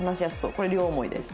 これ両思いです。